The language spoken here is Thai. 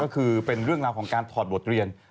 ก็คือเป็นเรื่องราวของการถอดบทเรียน